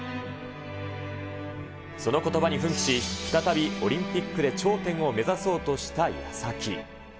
そのことばに奮起し、再びオリンピックで頂点を目指そうとしたやさき。